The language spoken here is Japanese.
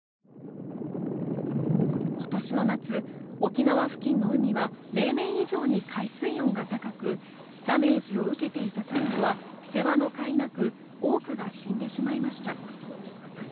今年の夏、沖縄付近の海は例年以上に海水温が高くダメージを受けていたサンゴは世話のかいなく多くが死んでしまいました。